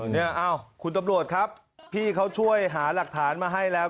เนี่ยคุณตำรวจครับพี่เขาช่วยหาหลักฐานมาให้แล้ว